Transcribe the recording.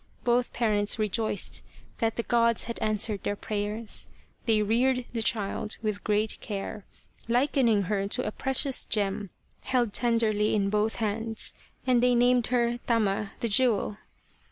Both parents rejoiced that the Gods had answered their prayers. They reared the child with great care, likening her to a precious gem held tenderly in both hands, and they named her Tama, the Jewel.